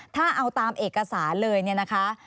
ถ้าเอาตามเอกสารเลยนะคะ